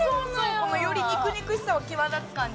このより肉々しさが際立つ感じ？